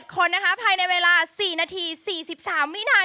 ๑๔๗คนนะคะภายในเวลา๔นาที๔๓มินค่ะ